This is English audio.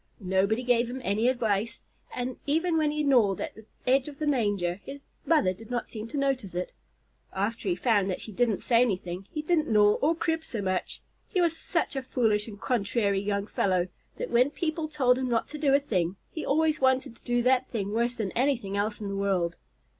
Nobody gave him any advice, and even when he gnawed at the edge of the manger, his mother did not seem to notice it. After he found that she didn't say anything, he didn't gnaw, or crib, so much. He was such a foolish and contrary young fellow that when people told him not to do a thing, he always wanted to do that thing worse than anything else in the world.